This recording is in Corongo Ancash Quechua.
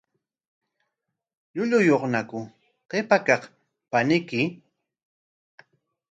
¿Llulluyuqñaku qipa kaq paniyki?